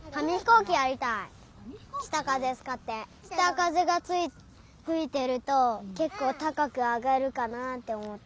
きたかぜがふいてるとけっこうたかくあがるかなっておもった。